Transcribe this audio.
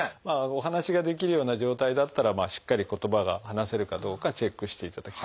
お話ができるような状態だったらしっかり言葉が話せるかどうかチェックしていただきたいですね。